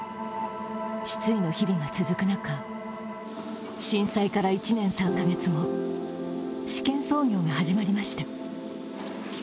失意の日々が続く中震災から１年３か月後、試験操業が始まりました。